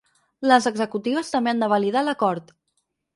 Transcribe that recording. Les executives també han de validar l’acord.